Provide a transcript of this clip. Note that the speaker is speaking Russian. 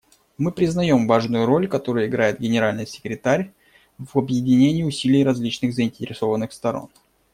Мы признаем важную роль, которую играет Генеральный секретарь в объединении усилий различных заинтересованных сторон.